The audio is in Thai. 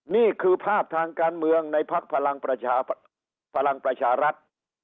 นี่คือภาพทางการเมืองในภักดิ์พลังประชาภักดิ์พลังประชารัฐ